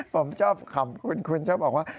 ผมชอบขอบคุณคุณชอบบอกว่า